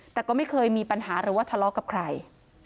แต่ก็ไม่เคยมีปัญหาหรือว่าทะเลาะกับใคร